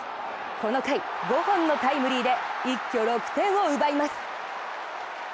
この回、５本のタイムリーで一挙６点を奪います。